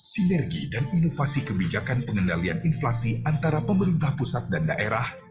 sinergi dan inovasi kebijakan pengendalian inflasi antara pemerintah pusat dan daerah